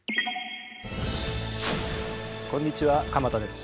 こんにちは鎌田です。